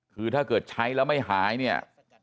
คือถ้าเกิดใช้แล้วไม่หายเนี่ย